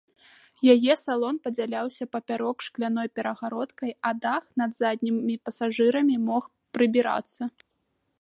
Яе салон падзяляўся папярок шкляной перагародкай, а дах над заднімі пасажырамі мог прыбірацца.